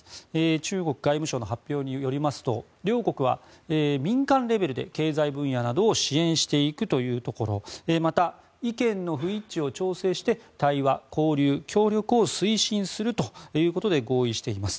中国外務省の発表によりますと両国は民間レベルで経済分野などを支援していくというところまた、意見の不一致を調整して対話・交流・協力を推進するということで合意しています。